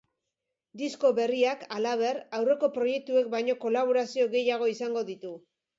Disko berriak, halaber, aurreko proiektuek baino kolaborazio gehiago izango ditu.